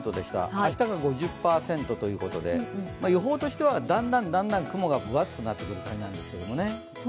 明日が５０％ということで、予報としてはだんだん雲が分厚くなってくる感じなんですけどね。